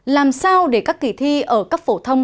làm sao để các kỳ thi ở cấp phổ thông